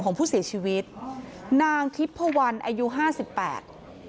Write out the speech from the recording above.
ของผู้เสียชีวิตนางทิพพวันอายุห้าสิบแปด